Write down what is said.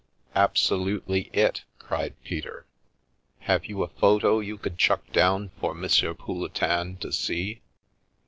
Absolutely it!" cried Peter. "Have you a photo you could chuck down for M. Pouletin to see?"